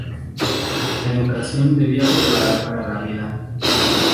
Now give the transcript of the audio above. La educación debía preparar para la vida.